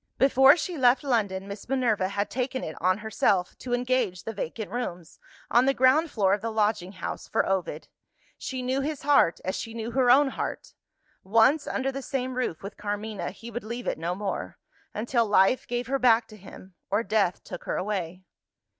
Before she left London, Miss Minerva had taken it on herself to engage the vacant rooms, on the ground floor of the lodging house, for Ovid. She knew his heart, as she knew her own heart. Once under the same roof with Carmina, he would leave it no more until life gave her back to him, or death took her away.